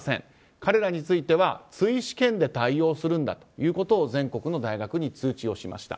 彼らについては追試験で対応するんだということを全国の大学に通知しました。